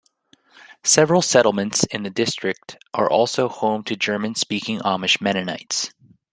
Several settlements in the district are also home to German speaking Amish Mennonites.